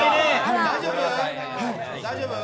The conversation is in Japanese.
大丈夫？